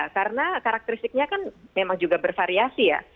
karena karakteristiknya kan memang juga bervariasi ya